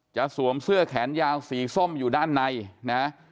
สวมเสื้อแขนยาวสีส้มอยู่ด้านในนะ